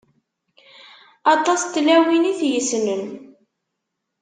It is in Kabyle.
Aṭas n tlawin i t-yessnen.